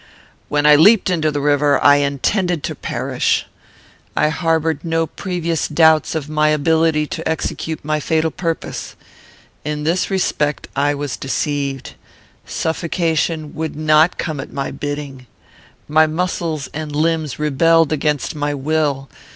"When I leaped into the river, I intended to perish. I harboured no previous doubts of my ability to execute my fatal purpose. In this respect I was deceived. Suffocation would not come at my bidding. My muscles and limbs rebelled against my will.